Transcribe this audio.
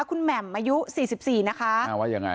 คุณแหม่มอายุ๔๔นะคะ